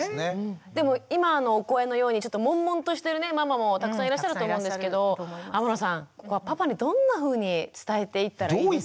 でも今のお声のようにちょっとモンモンとしてるママもたくさんいらっしゃると思うんですけど天野さんパパにどんなふうに伝えていったらいいですか？